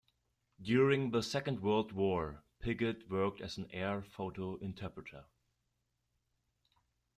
During the Second World War Piggott worked as an air photo interpreter.